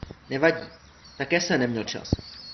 Nevadí - také jsem neměl čas.